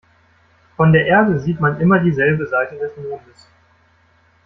Von der Erde sieht man immer dieselbe Seite des Mondes.